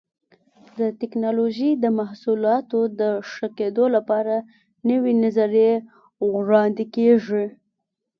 د ټېکنالوجۍ د محصولاتو د ښه کېدلو لپاره نوې نظریې وړاندې کېږي.